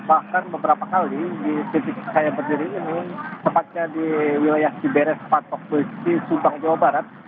bahkan beberapa kali di titik saya berdiri ini tepatnya di wilayah ciberes patok besi subang jawa barat